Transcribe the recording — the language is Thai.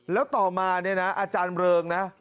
แล้วต่อมาเนี่ยนะอาจารย์เริงนะ